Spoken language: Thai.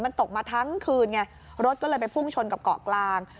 มันตกมาทั้งคืนไงรถก็เลยไปพุ่งชนกับเกาะกลาง